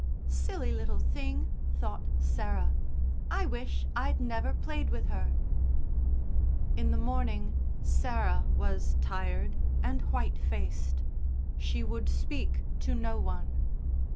"Silly little thing," thought Sarah. "I wish I'd never played with her." In the morning Sarah was tired and white faced. She would speak to no one.